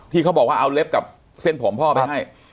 เขาบอกว่าเอาเล็บกับเส้นผมพ่อไปให้